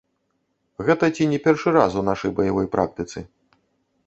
Гэта ці не першы раз у нашай баявой практыцы.